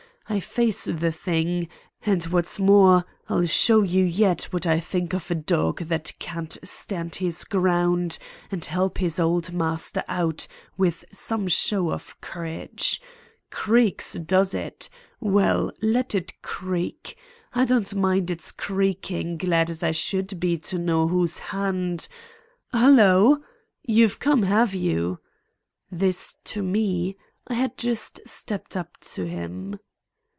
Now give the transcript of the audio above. I face the thing, and what's more, I'll show you yet what I think of a dog that can't stand his ground and help his old master out with some show of courage. Creaks, does it? Well, let it creak! I don't mind its creaking, glad as I should be to know whose hand—Halloo! You've come, have you?" This to me. I had just stepped up to him.